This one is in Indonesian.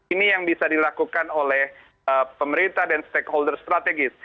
ini yang bisa dilakukan oleh pemerintah dan stakeholder strategis